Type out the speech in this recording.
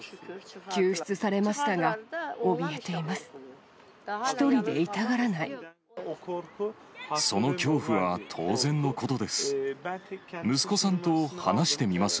救出されましたが、おびえています。